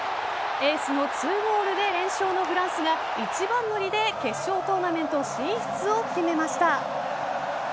エースの２ゴールで連勝のフランスが一番乗りで決勝トーナメント進出を決めました。